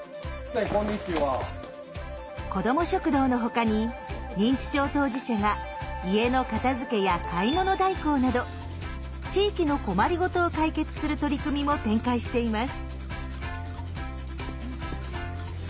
子ども食堂のほかに認知症当事者が家の片づけや買い物代行など地域の困りごとを解決する取り組みも展開しています。